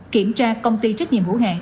kiểm tra công ty trách nhiệm hữu hạn